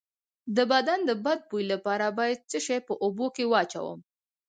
د بدن د بد بوی لپاره باید څه شی په اوبو کې واچوم؟